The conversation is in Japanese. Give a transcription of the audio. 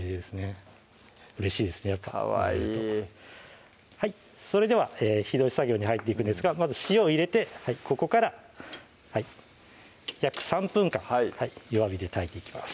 うれしいですねやっぱかわいいそれでは火通し作業に入っていくんですがまず塩入れてここから約３分間弱火で炊いていきます